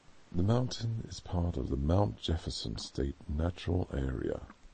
The mountain is part of the Mount Jefferson State Natural Area.